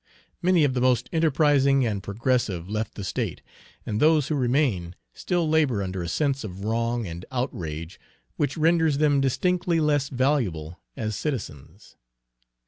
Many of the most enterprising and progressive left the state, and those who remain still labor under a sense of wrong and outrage which renders them distinctly less valuable as citizens.